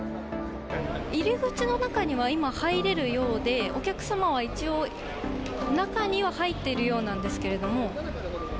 入り口の中には今、入れるようで、お客様は一応、中には入っているようなんですけれども。